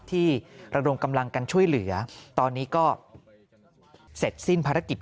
ที่ระดมกำลังกันช่วยเหลือตอนนี้ก็เสร็จสิ้นภารกิจ